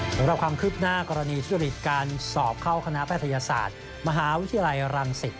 สำหรับความคืบหน้ากรณีทุจริตการสอบเข้าคณะแพทยศาสตร์มหาวิทยาลัยรังสิต